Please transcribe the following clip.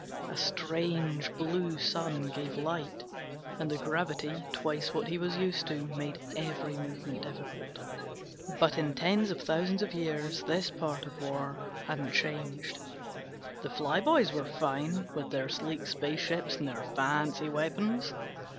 A strange blue sun gave light and the gravity, twice what he was used to, made every movement difficult. But in tens of thousands of years this part of war hadn't changed. The flyboys were fine with their sleek spaceships and their fancy weapons.